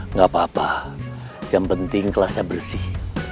ada pak bagi yang penting kelasnya bersih